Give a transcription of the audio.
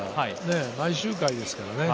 毎周回ですからね。